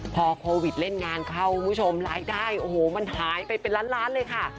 พอโควิดเล่นงานเข้าคุณผู้ชมรายได้โอ้โหมันหายไปเป็นล้านล้านเลยค่ะ